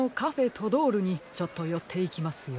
トドールにちょっとよっていきますよ。